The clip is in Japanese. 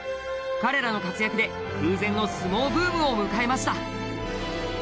彼らの活躍で空前の相撲ブームを迎えました。